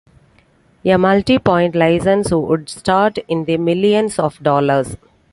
A multipoint license would start in the millions of dollars.